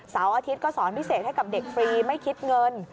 อาทิตย์ก็สอนพิเศษให้กับเด็กฟรีไม่คิดเงิน